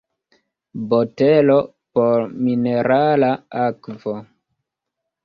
Botelo por minerala akvo.